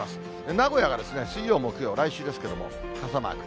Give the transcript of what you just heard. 名古屋が水曜、木曜、来週ですけれども、傘マーク。